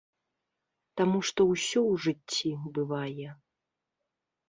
Таму што ўсё ў жыцці бывае.